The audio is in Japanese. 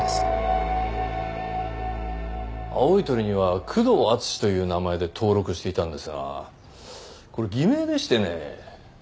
青い鳥には久遠淳史という名前で登録していたんですがこれ偽名でしてね。